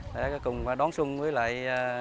để cùng đón sung với lại